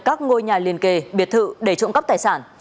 các ngôi nhà liền kề biệt thự để trộm cắp tài sản